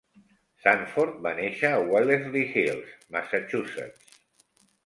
Sanford va néixer a Wellesley Hills, Massachusetts.